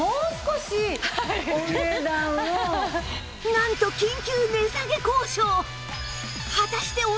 なんと緊急値下げ交渉！